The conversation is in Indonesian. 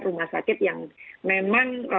rumah sakit yang memang